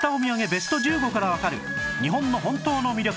ベスト１５からわかる日本の本当の魅力